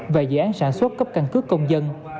và dự án sản xuất cấp căn cước công dân